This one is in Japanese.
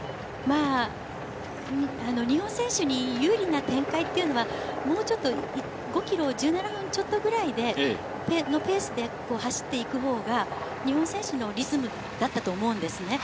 日本選手に有利な展開というのは、もうちょっと５ｋｍを１７分ちょっとぐらいのペースで走っていくほうが、日本選手のリズムだったと思うんですね。